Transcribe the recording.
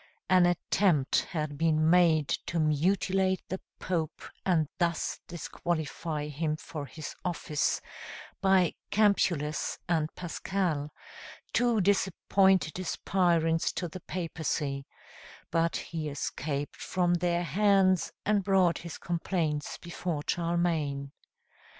An attempt had been made to mutilate the Pope, and thus disqualify him for his office, by Campulus and Paschal, two disappointed aspirants to the papacy; but he escaped from their hands and brought his complaints before Charlemagne.